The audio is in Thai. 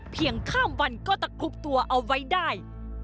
เพียงข้ามวันก็จะกลุ่บตัวเอาไว้ได้